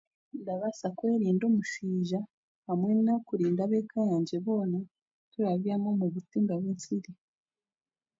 Turabaasa kwerinda omuswija hamwe n'okurinda ab'eka yangye boona turabyama omu butimba bw'ensiri